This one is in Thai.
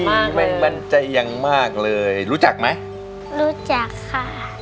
ไม่มั่นใจอย่างมากเลยรู้จักไหมรู้จักค่ะ